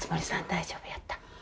大丈夫やった？